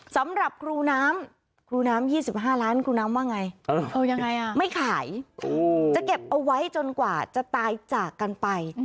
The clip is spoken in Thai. สำหรับครูน้ำครูน้ำ๒๕ล้านครูน้ำว่าไงไม่ขายจะเก็บเอาไว้จนกว่าจะตายจากกันไป